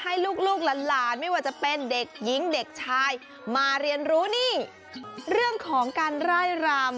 ให้ลูกหลานไม่ว่าจะเป็นเด็กหญิงเด็กชายมาเรียนรู้นี่เรื่องของการไล่รำ